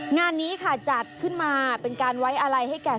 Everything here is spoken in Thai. งานนี้ค่ะจัดขึ้นมาเป็นการไว้อะไรให้แก่